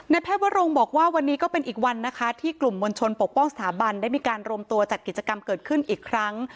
แพทย์วรงบอกว่าวันนี้ก็เป็นอีกวันนะคะที่กลุ่มมวลชนปกป้องสถาบันได้มีการรวมตัวจัดกิจกรรมเกิดขึ้นอีกครั้ง